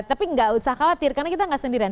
tapi nggak usah khawatir karena kita nggak sendirian